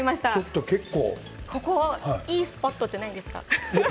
ここいいスポットじゃないですか。